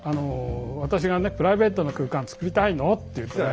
「私がプライベートの空間つくりたいの」と言ってね。